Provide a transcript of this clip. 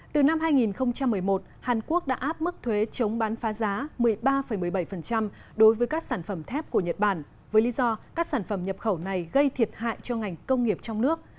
từ năm hai nghìn một mươi một hàn quốc đã áp mức thuế chống bán phá giá một mươi ba một mươi bảy đối với các sản phẩm thép của nhật bản với lý do các sản phẩm nhập khẩu này gây thiệt hại cho ngành công nghiệp trong nước